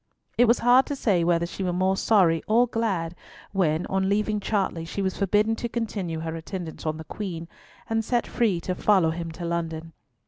It was hard to say whether she were more sorry or glad when, on leaving Chartley, she was forbidden to continue her attendance on the Queen, and set free to follow him to London.